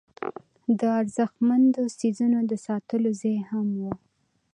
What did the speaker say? د ارزښتمنو څیزونو د ساتلو ځای هم و.